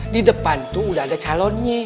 di depan tuh udah ada calonnya